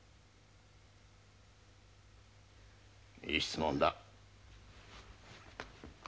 いい質問だ。